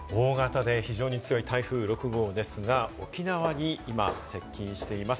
大型で非常に強い台風６号ですが、沖縄に今、接近しています。